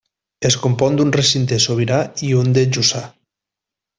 Es compon d'un recinte sobirà i un de jussà.